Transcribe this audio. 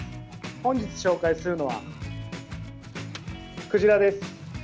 本日紹介するのは、クジラです。